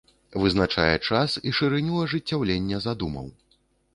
Вызначае час і шырыню ажыццяўлення задумаў.